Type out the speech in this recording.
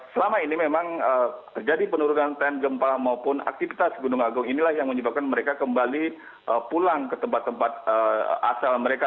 selama ini memang terjadi penurunan tren gempa maupun aktivitas gunung agung inilah yang menyebabkan mereka kembali pulang ke tempat tempat asal mereka